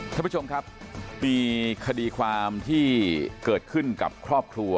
ท่านผู้ชมครับมีคดีความที่เกิดขึ้นกับครอบครัว